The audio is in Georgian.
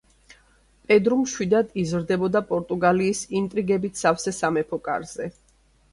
პედრუ მშვიდად იზრდებოდა პორტუგალიის ინტრიგებით სავსე სამეფო კარზე.